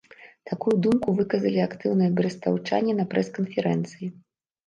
Такую думку выказалі актыўныя брэстаўчане на прэс-канферэнцыі.